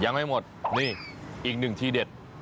ยังไม่หมดนี่อีกหนึ่งทีเด็ด